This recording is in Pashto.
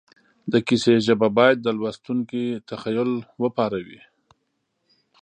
د کیسې ژبه باید د لوستونکي تخیل وپاروي